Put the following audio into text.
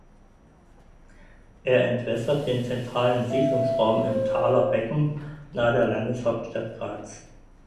Er entwässert den zentralen Siedlungsraum im Thaler Becken nahe der Landeshauptstadt Graz.